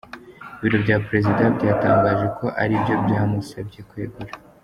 Ibiro bya Perezida byatangaje ko ari byo byamusabye kwegura.